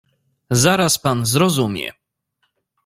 "Zaraz pan zrozumie."